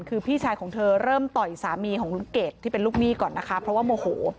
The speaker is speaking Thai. คือพี่ชายของเธอเริ่มต่อยสามีของลุงเกดที่เป็นลูกหนี้ก่อนนะคะเพราะว่าโมโห